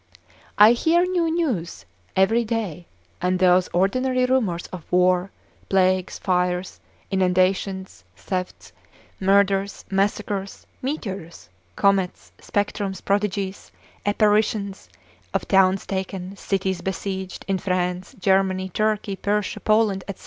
I hear new news every day, and those ordinary rumours of war, plagues, fires, inundations, thefts, murders, massacres, meteors, comets, spectrums, prodigies, apparitions, of towns taken, cities besieged in France, Germany, Turkey, Persia, Poland, &c.